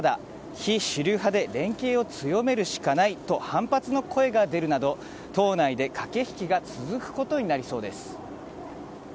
非主流派で連携を強めるしかないと反発の声が出るなど党内で駆け引きが続くことになりそうです。